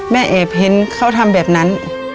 แม่แอบเห็นเขาทำแบบนั้น